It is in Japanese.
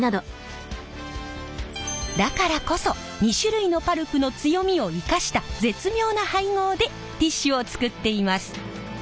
だからこそ２種類のパルプの強みを生かした絶妙な配合でティッシュを作っています。